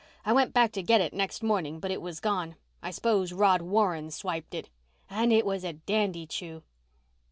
I went back to get it next morning, but it was gone. I suppose Rod Warren swiped it. And it was a dandy chew."